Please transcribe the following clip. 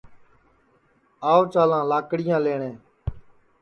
آو چالاں لاکڑیاں لئٹؔے